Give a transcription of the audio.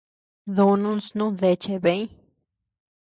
Dunun snu deachea bëeñ.